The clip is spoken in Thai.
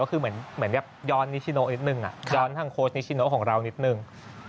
ก็คือเหมือนกับย้อนนิชิโนนิดนึงย้อนทางโค้ชนิชิโนของเรานิดนึง